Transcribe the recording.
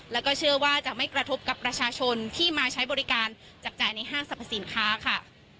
แล้วก็เชื่อว่าจะไม่กระทบกับประชาชนที่มาใช้บริการจับจ่ายในห้างสรรพสินค้าค่ะ